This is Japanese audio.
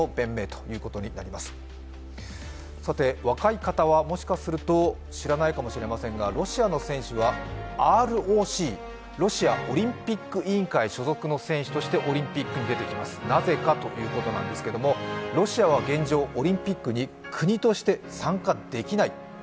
若い方はもしかすると知らないかもしれませんがロシアの選手はＲＯＣ＝ロシアオリンピック委員会所属の選手としてオリンピックに出ています、なぜかということなんですが、ロシアは現状、オリンピックに国として参加できない。